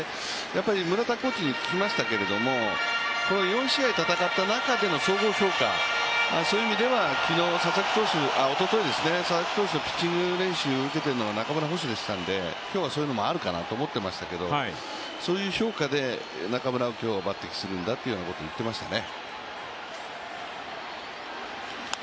村田コーチに聞きましたけれども、４試合戦った中での総合評価、そういう意味ではおととい、佐々木投手のピッチング練習を受けてるのは中村捕手でしたんで、今日はそういうのもあるかなと思ってましたけどそういう評価で中村を今日、抜てきするんだということを言っていましたね。